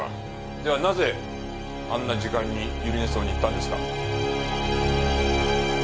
ではなぜあんな時間に百合根荘に行ったんですか？